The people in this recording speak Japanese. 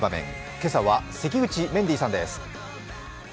今朝は関口メンディーさんです。